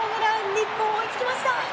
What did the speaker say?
日本、追いつきました！